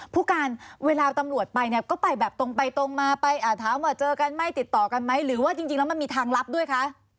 ผู้การเวลาตำรวจไปเนี่ยก็ไปแบบตรงไปตรงมาไปถามว่าเจอกันไม่ติดต่อกันไหมหรือว่าจริงแล้วมันมีทางลับด้วยคะ